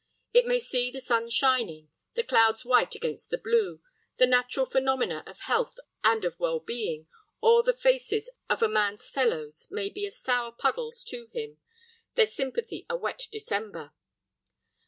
It may see the sun shining, the clouds white against the blue, the natural phenomena of health and of well being; or the faces of a man's fellows may be as sour puddles to him, their sympathy a wet December.